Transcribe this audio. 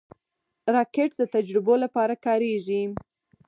راکټ د تجربو لپاره کارېږي